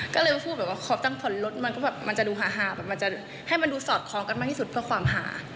ก็เลยมาพูดแบบว่าขอตั้งผ่อนรถมันก็แบบมันจะดูหาแบบมันจะให้มันดูสอดคล้องกันมากที่สุดเพื่อความหา